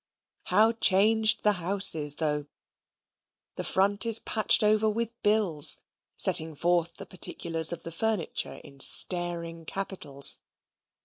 How changed the house is, though! The front is patched over with bills, setting forth the particulars of the furniture in staring capitals.